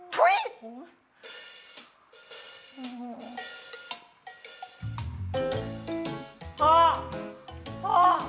พ่อพ่อพ่อ